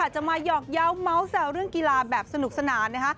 จะมาหยอกเยาว์เมาส์แซวเรื่องกีฬาแบบสนุกสนานนะคะ